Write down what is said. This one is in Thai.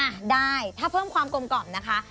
อ่ะได้ถ้าเพิ่มความกลมกล่อมนะคะ